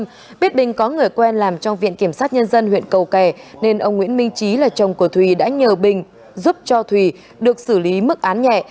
tuy nhiên biết bình có người quen làm trong viện kiểm sát nhân dân huyện cầu kè nên ông nguyễn minh trí là chồng của thùy đã nhờ bình giúp cho thùy được xử lý mức án nhẹ